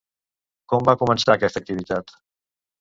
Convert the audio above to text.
Com va començar aquesta activitat?